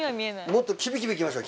もっとキビキビいきましょう！